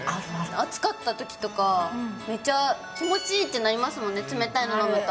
暑かったときとか、めちゃ気持ちいいーってなりますもんね、冷たいの飲むと。